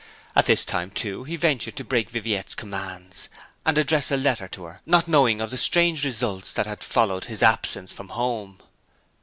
At this time, too, he ventured to break Viviette's commands, and address a letter to her, not knowing of the strange results that had followed his absence from home.